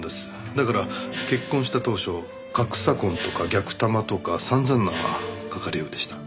だから結婚した当初「格差婚」とか「逆玉」とか散々な書かれようでした。